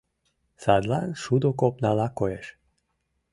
Садлан шудо копнала коеш.